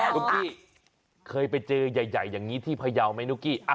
ุ๊กกี้เคยไปเจอใหญ่อย่างนี้ที่พยาวไหมนุ๊กกี้